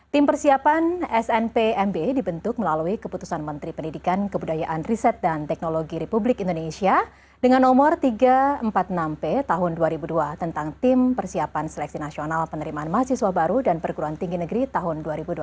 tim persiapan snpmb dibentuk melalui keputusan menteri pendidikan kebudayaan riset dan teknologi republik indonesia dengan nomor tiga ratus empat puluh enam p tahun dua ribu dua tentang tim persiapan seleksi nasional penerimaan mahasiswa baru dan perguruan tinggi negeri tahun dua ribu dua puluh